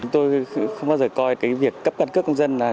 tôi không bao giờ coi việc cấp căn cước công dân